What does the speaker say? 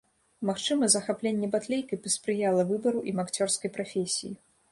Магчыма, захапленне батлейкай паспрыяла выбару ім акцёрскай прафесіі.